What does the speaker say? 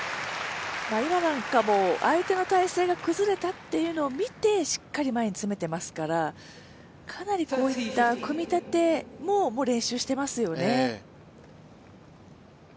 今なんかも相手の体勢が崩れたというのを見てしっかり前に詰めてますから、かなり組み立ても練習してますよね。